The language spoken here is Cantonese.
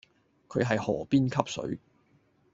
佢係河邊吸水